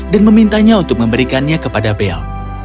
dan memintanya untuk memberikannya kepada belle